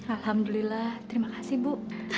alhamdulillah terima kasih ibu